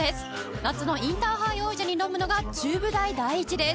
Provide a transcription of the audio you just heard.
夏のインターハイ王者に挑むのが中部大第一です。